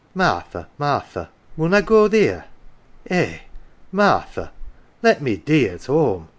Martha, Martha, inun I go theer ? Eh, Martha, let me dee at home